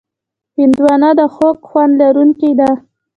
هندوانه د خوږ خوند لرونکې ده.